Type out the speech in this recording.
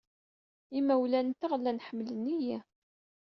Imawlan-nteɣ llan ḥemmlen-iyi.